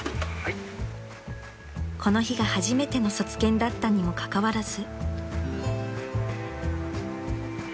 ［この日が初めての卒検だったにもかかわらず］